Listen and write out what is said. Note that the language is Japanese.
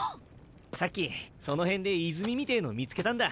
さっきその辺で泉みてぇの見つけたんだ。